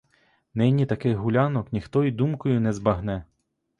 Нині таких гулянок ніхто й думкою не збагне!